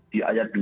di ayat dua